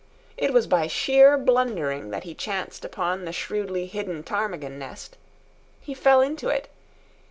It was by sheer blundering that he chanced upon the shrewdly hidden ptarmigan nest. He fell into it.